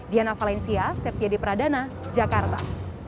diana valencia septiade pradana jakarta